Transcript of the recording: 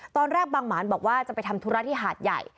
บางหมานบอกว่าจะไปทำธุระที่หาดใหญ่